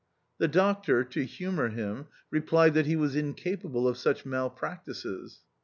The Doctor, to humour him, replied that he was incapable of such malpractices.